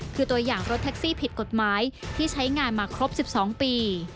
คือตัวอย่างรถแท็กซี่ผิดกฎหมายที่ใช้งานมาครบ๑๒ปี